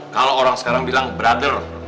kalau orang sekarang bilang brother